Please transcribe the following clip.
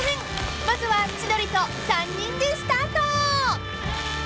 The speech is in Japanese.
［まずは千鳥と３人でスタート］